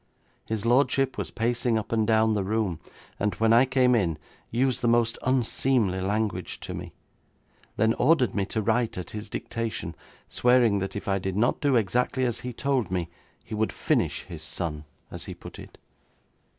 His lordship was pacing up and down the room, and, when I came in, used the most unseemly language to me; then ordered me to write at his dictation, swearing that if I did not do exactly as he told me, he would finish his son, as he put it.